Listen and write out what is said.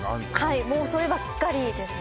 はいもうそればっかりですね